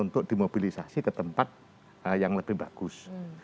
untuk dimobilisasi ke tempat yang lebih bagus